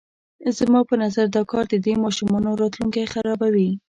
زما په نظر دا کار د دې ماشومانو راتلونکی خرابوي.